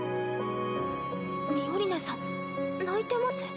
ミオリネさん泣いてます？